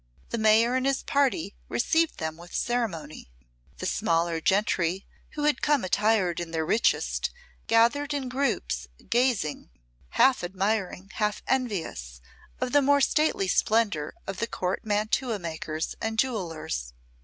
The Mayor and his party received them with ceremony, the smaller gentry, who had come attired in their richest, gathered in groups gazing, half admiring, half envious of the more stately splendour of the Court mantua makers and jewellers.